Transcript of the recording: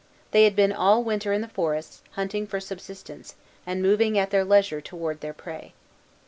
They had been all winter in the forests, hunting for subsistence, and moving at their leisure towards their prey.